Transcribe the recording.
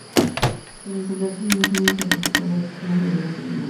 Por encontrarse en una zona intertropical, existe una gran variedad de animales silvestres.